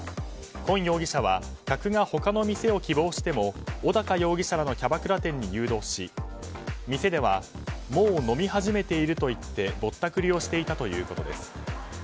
今容疑者は客が他の店を希望しても小高容疑者らのキャバクラ店に誘導し店ではもう飲み始めていると言ってぼったくりをしていたということです。